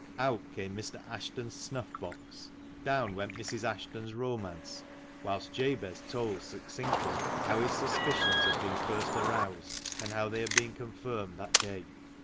Out came Mr. Ashton's snuff box, down went Mrs. Ashton's romance, whilst Jabez told succinctly how his suspicions had been first aroused, and how they had been confirmed that day.